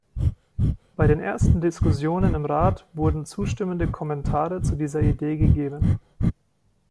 Bei den ersten Diskussionen im Rat wurden zustimmende Kommentare zu dieser Idee gegeben.